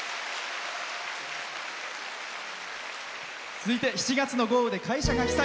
続いて７月の豪雨で会社が被災。